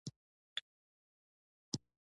پیرودونکی د باور ساتلو غوښتونکی دی.